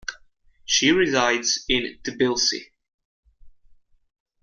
She resides in Tbilisi.